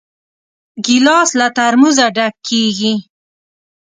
ګیلاس له ترموزه ډک کېږي.